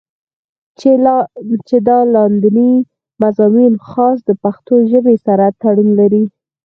چې دا لانديني مضامين خاص د پښتو ژبې سره تړون لري